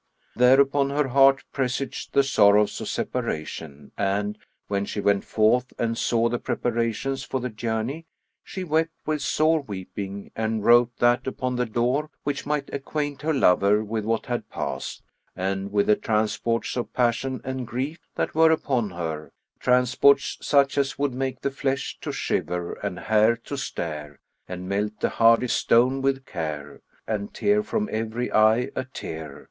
Thereupon her heart presaged the sorrows of separation and, when she went forth and saw the preparations for the journey, she wept with sore weeping and wrote that upon the door which might acquaint her lover with what had passed and with the transports of passion and grief that were upon her, transports such as would make the flesh to shiver and hair to stare, and melt the hardest stone with care, and tear from every eye a tear.